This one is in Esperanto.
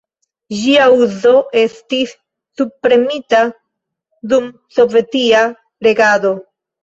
Ĝia uzo estis subpremita dum sovetia regado.